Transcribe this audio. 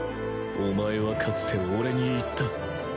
お前はかつて俺に言った。